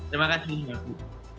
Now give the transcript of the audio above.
terima kasih juga bu